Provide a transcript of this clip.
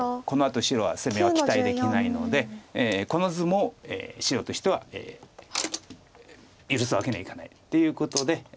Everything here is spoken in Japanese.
このあと白は攻めは期待できないのでこの図も白としては許すわけにはいかないということで。